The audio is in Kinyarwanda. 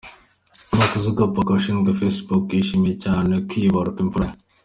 Mark Zuckerberg washinze Facebook yishimiye cyane kwibaruka imfura ye.